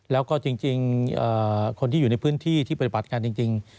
แล้วก็จริงคนที่อยู่ในพื้นที่ที่ปฏิบัติงานจริง